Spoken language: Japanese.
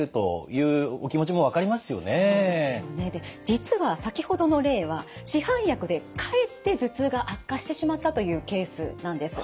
実は先ほどの例は市販薬でかえって頭痛が悪化してしまったというケースなんです。